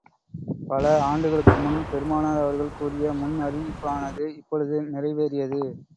பல ஆண்டுகளுக்கு முன், பெருமானார் அவர்கள் கூறிய முன் அறிவிப்பானது இப்பொழுது நிறைவேறியது.